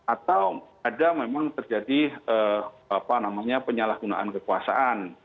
atau ada memang terjadi apa namanya penyalahgunaan kekuasaan